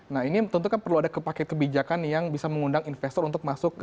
nah ini tentu kan perlu ada paket kebijakan yang bisa mengundang investor untuk masuk